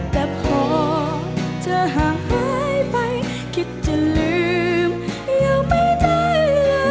แต่พอเธอห่างหายไปคิดจะลืมยังไม่ได้